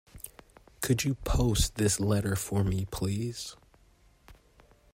Could you post this letter for me please?